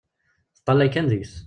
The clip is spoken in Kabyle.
Teṭṭalay kan deg-s.